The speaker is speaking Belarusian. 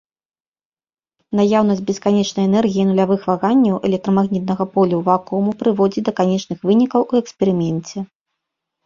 Наяўнасць бесканечнай энергіі нулявых ваганняў электрамагнітнага поля вакууму прыводзіць да канечных вынікаў у эксперыменце.